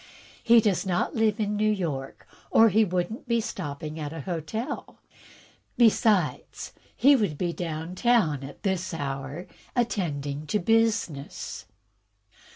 He does n't live in New York or he would n't be stopping at a hotel. Besides, he would be down town at this hour, attending to business."